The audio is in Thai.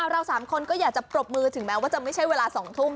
เรา๓คนก็อยากจะปรบมือถึงแม้ว่าจะไม่ใช่เวลา๒ทุ่ม